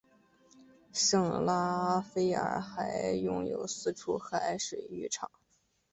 圣拉斐尔还拥有四处海水浴场。